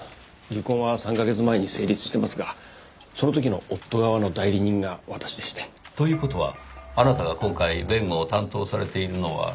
離婚は３カ月前に成立していますがその時の夫側の代理人が私でして。という事はあなたが今回弁護を担当されているのは。